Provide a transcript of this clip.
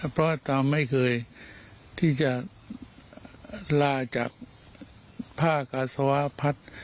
เพราะว่าตาไม่เคยที่จะลาจากผ้ากาศวพัฒน์